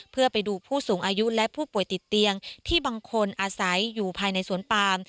เพื่อไปดูผู้สูงอายุและผู้ป่วยติดเตียงที่บางคนอาศัยอยู่ภายในสวนปาม